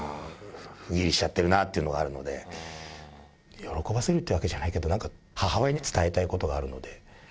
不義理しちゃってるなっていうのがあるので、喜ばせるってわけじゃないけど、なんか母親に伝えたいことがあるので。